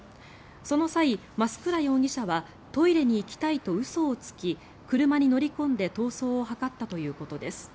その際、増倉容疑者はトイレに行きたいと嘘をつき車に乗り込んで逃走を図ったということです。